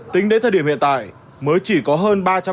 tính đến thời điểm hiện tại mới chỉ có hơn ba trăm linh